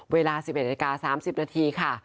เวลา๑๑นาที๓๐นาทีค่ะ